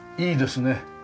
いいですね